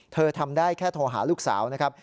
ทำได้แค่โทรหาลูกสาวนะครับ